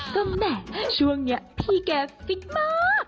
ก็แหม่ช่วงนี้พี่แกฟิตมาก